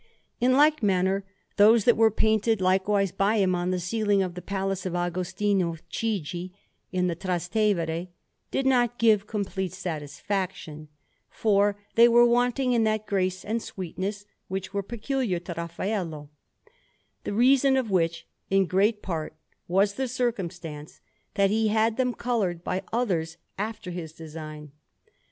In like manner, those that were painted likewise by him on the ceiling of the Palace of Agostino Chigi in the Trastevere did not give complete satisfaction, for they are wanting in that grace and sweetness which were peculiar to Raffaello; the reason of which, in great part, was the circumstance that he had them coloured by others after his design.